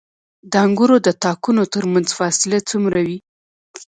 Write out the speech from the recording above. د انګورو د تاکونو ترمنځ فاصله څومره وي؟